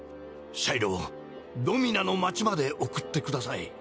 シャイロをドミナの町まで送ってください。